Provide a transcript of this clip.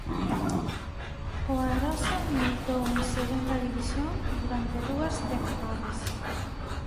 O Arosa militou en Segunda División durante dúas tempadas.